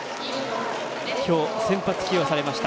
今日、先発起用されました。